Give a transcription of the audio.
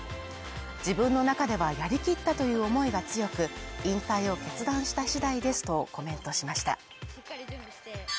自分の中ではやり切ったという思いが強く引退を決断した次第ですとコメントしました。